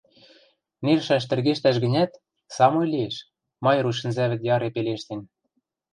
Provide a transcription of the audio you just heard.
Нершаш тӹргештӓш гӹнят, самой лиэш, — Майруш сӹнзӓвӹд яре пелештен.